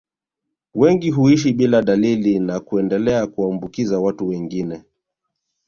Wengi huishi bila dalili na kuendelea kuambukiza watu wengine